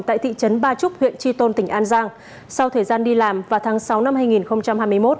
tại thị trấn ba trúc huyện tri tôn tỉnh an giang sau thời gian đi làm vào tháng sáu năm hai nghìn hai mươi một